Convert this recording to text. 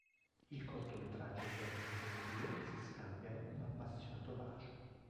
Il cortometraggio termina con i due che si scambiano un appassionato bacio.